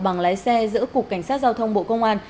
bằng lái xe giữa cục cảnh sát giao thông bộ công an